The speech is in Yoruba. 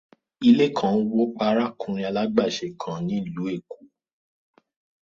ilé kan wó pa arákùnrin alágbàṣe kan nílùú Èkó.